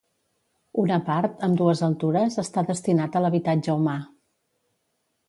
Una part, amb dues altures està destinat a l’habitatge humà.